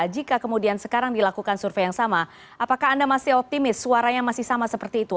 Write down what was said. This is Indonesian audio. jika kemudian sekarang dilakukan survei yang sama apakah anda masih optimis suaranya masih sama seperti itu